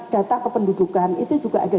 data kependudukan itu juga ada